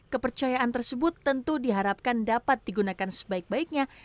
kepercayaan tersebut tentu diharapkan dapat digunakan sebaik baiknya